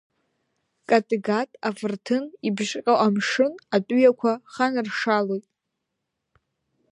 Каттегат афырҭын ибжьҟьо амшын атәыҩақәа ханаршалоит.